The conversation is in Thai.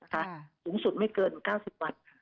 สูงสุดไม่เกิน๙๐วัน